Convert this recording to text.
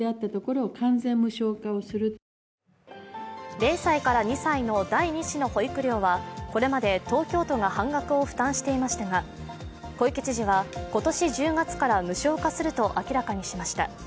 ０歳から２歳の第２子の保育料はこれまで東京都が半額を負担していましたが、小池知事は、今年１０月から無償化すると明らかにしました。